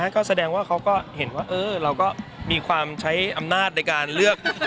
ก็แสดงว่าเขาก็เห็นว่าเราก็มีความใช้อำนาจในการเลือก